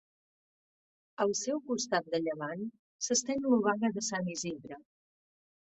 Al seu costat de llevant s'estén l'Obaga de Sant Isidre.